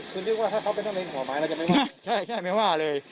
คุณคิดว่าถ้าเขาเป็นคนในหัวหมายเราจะไม่ว่าใช่ใช่ไม่ว่าเลย